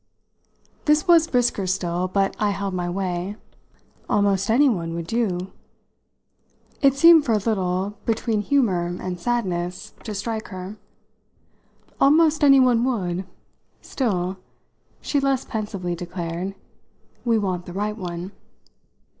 This was brisker still, but I held my way. "Almost anyone would do." It seemed for a little, between humour and sadness, to strike her. "Almost anyone would. Still," she less pensively declared, "we want the right one."